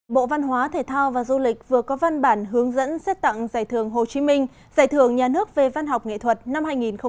bộ văn hóa thể thao và du lịch vừa có văn bản hướng dẫn xét tặng giải thưởng hồ chí minh giải thưởng nhà nước về văn học nghệ thuật năm hai nghìn một mươi chín